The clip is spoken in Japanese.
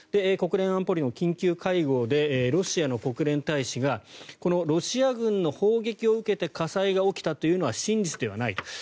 国連安保理の緊急会合でロシアの国連大使がこのロシア軍の砲撃を受けて火災が起きたというのは真実ではないと。